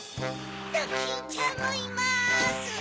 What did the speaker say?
ドキンちゃんもいます。